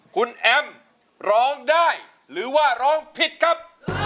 คุณแอมร้องได้หรือว่าร้องผิดครับ